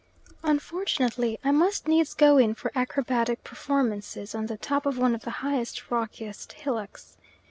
Unfortunately, I must needs go in for acrobatic performances on the top of one of the highest, rockiest hillocks.